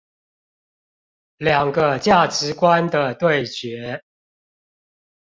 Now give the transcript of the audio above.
兩個價值觀的對決